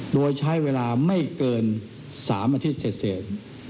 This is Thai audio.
โดยใช้เวลาไม่เกิน๓อาทิตย์เศษ